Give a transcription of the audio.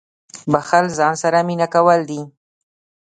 • بښل له ځان سره مینه کول دي.